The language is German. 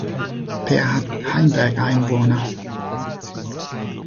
Per hat Heimberg Einwohner.